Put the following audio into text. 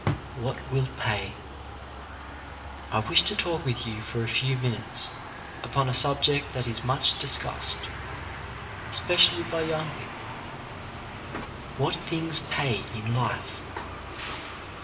WHAT WILL PAY I wish to talk with you for a few minutes upon a subject that is much discussed, especially by young people — What things pay in life?